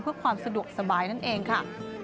เพื่อความสะดวกสบายนั่นเองค่ะ